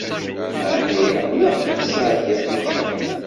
Meɛna ilaq daɣen ad tesɛeddiḍ tikta.